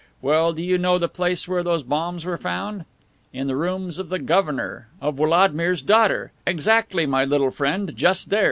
Well, do you know the place where those bombs were found? In the rooms of the governor, of Wladmir's daughter! Exactly, my little friend, just there!